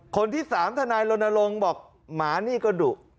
คนที่สามธนายลนลงบอกหมานี่ก็ดุ